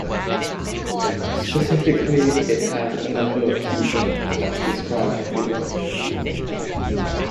Specifically it has a number of key aims, as described below.